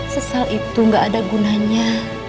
sesal itu gak ada gunanya